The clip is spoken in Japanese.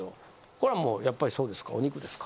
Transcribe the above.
これはやっぱりそうですか？